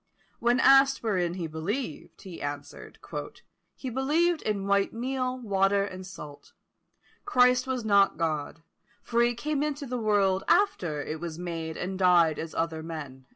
When asked wherein he believed, he answered, "He believed in white meal, water, and salt. Christ was not God; for he came into the world after it was made, and died as other men."